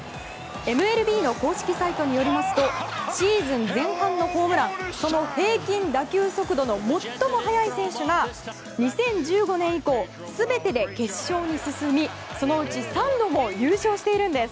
ＭＬＢの公式サイトによりますとシーズン前半のホームランその平均打球速度の最も速い選手が２０１５年以降全てで決勝に進みそのうち３度も優勝しているんです。